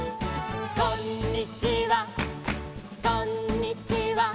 「こんにちはこんにちは」